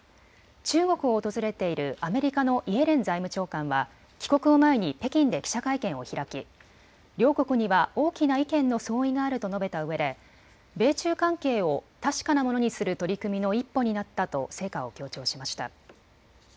中国を訪れているアメリカのイエレン財務長官は帰国を前に北京で記者会見を開き両国には大きな意見の相違があると述べたうえで米中関係を確かなものにする取り組みの一歩になったと成果を強調しました。